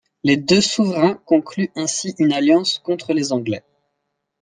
Les deux souverains concluent ainsi une alliance contre les Anglais.